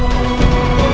uang itu buat apa